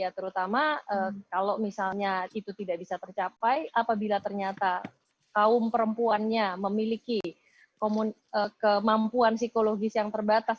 terutama kalau misalnya itu tidak bisa tercapai apabila ternyata kaum perempuannya memiliki kemampuan psikologis yang terbatas